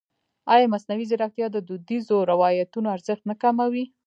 ایا مصنوعي ځیرکتیا د دودیزو روایتونو ارزښت نه کموي؟